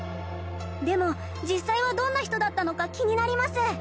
でも実際はどんな人だったのか気になります。